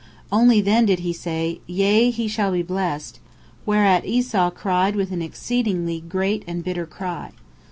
Only then did he say, "Yea, he shall be blessed," whereat Esau cried with an exceeding great and bitter cry.